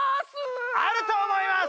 あると思います！